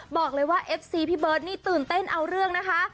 บอกเลยว่าเอฟซีพี่เบิร์ตนี่ตื่นเต้นเอาเรื่องนะคะ